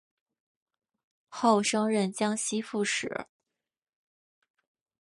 后升任江西副使。